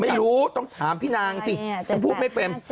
ไม่รู้ต้องถามพี่นางสิฉันพูดไม่เป็น